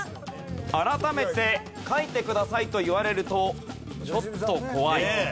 改めて書いてくださいと言われるとちょっと怖い。